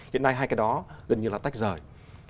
hiện nay hai cái đó gần như là tách rời